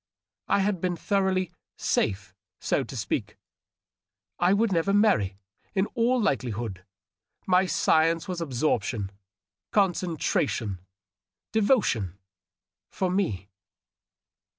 I had been thoroughly " safe," so to speak ; I would never marry, in all likelihood ; my science was absorption, concentration, devotion, for me.